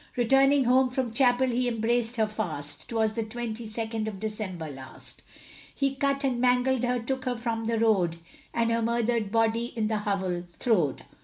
Returning home from chapel, he embraced her fast, 'Twas the twenty second of December last; He cut and mangled her, took her from the road, And her murdered body in the hovel throwed.